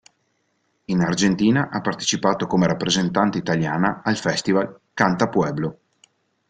In Argentina ha partecipato come rappresentante italiana al festival "Canta Pueblo".